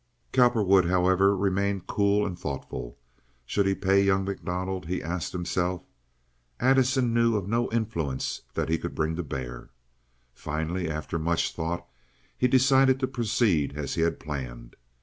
Cowperwood, however, remained cool and thoughtful. Should he pay young MacDonald? he asked himself. Addison knew of no influence that he could bring to bear. Finally, after much thought, he decided to proceed as he had planned.